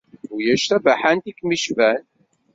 Ulac tabaḥant i kem-yecban